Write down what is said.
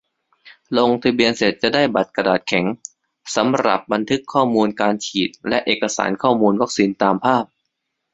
ลงทะเบียนเสร็จจะได้บัตรกระดาษแข็ง สำหรับบันทึกข้อมูลการฉีดและเอกสารข้อมูลวัคซีน ตามภาพ